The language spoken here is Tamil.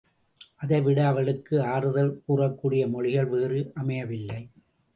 அதைவிட அவளுக்கு ஆறுதல் கூறக்கூடிய மொழிகள் வேறு அமையவில்லை.